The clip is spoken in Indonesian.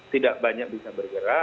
tidak banyak bisa bergerak